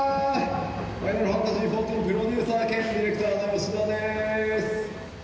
「ファイナルファンタジーＸＩＶ」プロデューサー兼ディレクターの吉田です